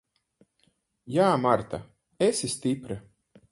Jā, Marta. Esi stipra.